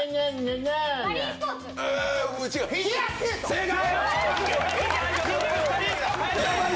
正解！